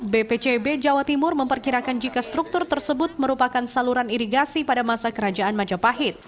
bpcb jawa timur memperkirakan jika struktur tersebut merupakan saluran irigasi pada masa kerajaan majapahit